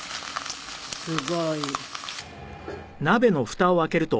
すごい！